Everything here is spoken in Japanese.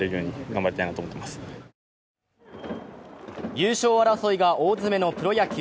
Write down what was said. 優勝争いが大詰めのプロ野球。